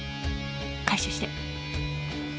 回収して。